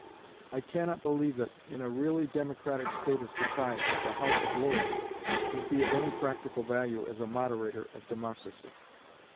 I can not believe that, in a really democratic state of society, the House of Lords would be of any practical value as a moderator of democracy.